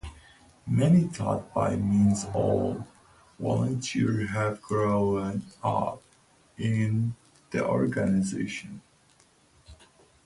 Many, though by no means all, volunteers have 'grown up' in the organisation.